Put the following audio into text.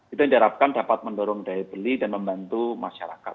itu yang diharapkan dapat mendorong daya beli dan membantu masyarakat